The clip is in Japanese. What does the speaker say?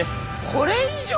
これ以上？